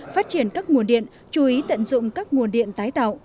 phát triển các nguồn điện chú ý tận dụng các nguồn điện tái tạo